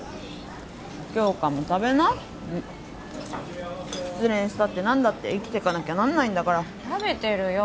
杏花も食べな失恋したって何だって生きてかなきゃなんないんだから食べてるよ